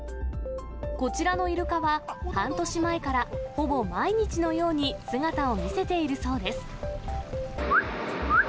こちらのイルカは、半年前からほぼ毎日のように姿を見せているそうです。